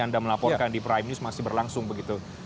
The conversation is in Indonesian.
anda melaporkan di prime news masih berlangsung begitu